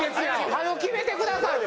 早う決めてくださいよ。